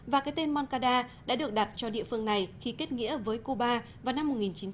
và cái tên moncada đã được đặt cho địa phương này khi kết nghĩa với cuba vào năm một nghìn chín trăm bảy mươi